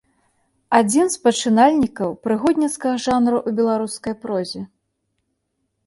Адзін з пачынальнікаў прыгодніцкага жанру ў беларускай прозе.